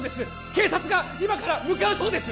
警察が今から向かうそうです